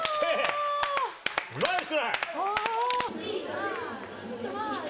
ナイス！